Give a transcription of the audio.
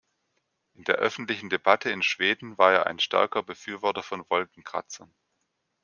In der öffentlichen Debatte in Schweden war er ein starker Befürworter von Wolkenkratzern.